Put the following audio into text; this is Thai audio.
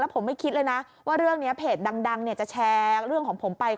ผมไม่คิดเลยนะว่าเรื่องนี้เพจดังจะแชร์เรื่องของผมไป